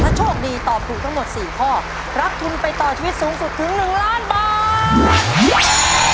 ถ้าโชคดีตอบถูกทั้งหมด๔ข้อรับทุนไปต่อชีวิตสูงสุดถึง๑ล้านบาท